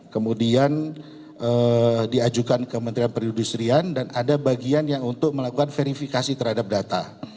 kemudian diajukan ke menteri periode serian dan ada bagian yang untuk melakukan verifikasi terhadap data